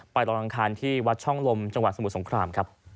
ไปร้อนรงคาณที่วัดช่องลมจังหวัดสมุทรสงคราม